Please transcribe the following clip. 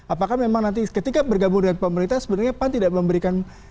apakah memang nanti ketika bergabung dengan pemerintah sebenarnya pan tidak memberikan